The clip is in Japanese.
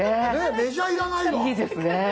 メジャー要らないわ。